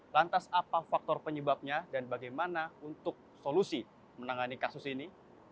lantas apa faktor penyebabnya dan bagaimana untuk solusi menangani kasus ini